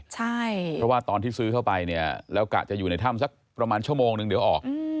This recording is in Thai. เพราะว่าตอนที่ซื้อเข้าไปเนี่ยแล้วกะจะอยู่ในถ้ำสักประมาณชั่วโมงนึงเดี๋ยวออก